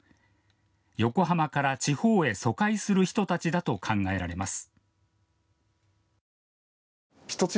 横浜から地方へ疎開する人たちだと考えられます。